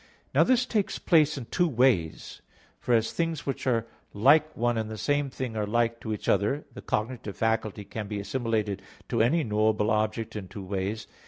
Now this takes place in two ways. For as things which are like one and the same thing are like to each other, the cognitive faculty can be assimilated to any knowable object in two ways.